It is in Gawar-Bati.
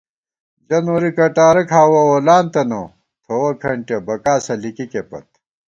ژہ نوری کٹارہ کھاوَہ وولانتَنہ، تھووَہ کھنٹِیَہ بَکاسہ لِکِکےپت